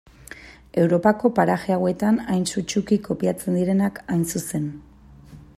Europako paraje hauetan hain sutsuki kopiatzen direnak hain zuzen.